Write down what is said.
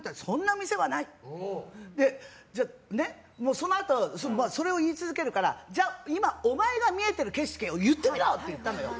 そのあと、それを言い続けるからじゃあ今、お前が見えてる景色を言ってみろって言ったのよ。